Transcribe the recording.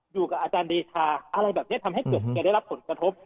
อยู่กับอาจารย์เดชาอะไรแบบนี้ทำให้เกิดแกได้รับผลกระทบ